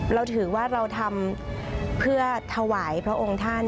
เราถือว่าเราทำเพื่อถวายพระองค์ท่าน